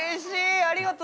・ありがとう。